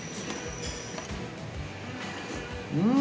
うん！